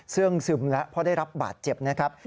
เสื้องซึมแล้วเพราะได้รับบาดเจ็บนะครับ